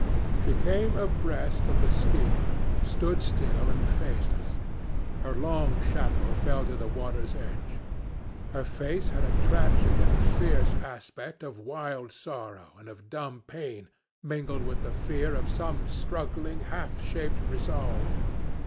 "She came abreast of the steamer, stood still, and faced us. Her long shadow fell to the water's edge. Her face had a tragic and fierce aspect of wild sorrow and of dumb pain mingled with the fear of some struggling, half shaped resolve.